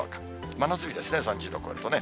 真夏日ですね、３０度超えるとね。